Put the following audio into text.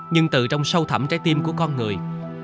nhưng từ trong sâu thẩm trái tim của con người